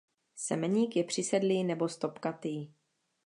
Semeník je přisedlý nebo stopkatý.